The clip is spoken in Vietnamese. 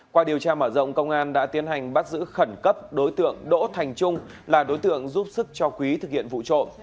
qua điều tra mở rộng công an đã tiến hành bắt giữ khẩn cấp đối tượng đỗ thành trung là đối tượng giúp sức cho quý thực hiện vụ trộm